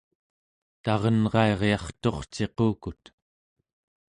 tarenrairyarturciqukut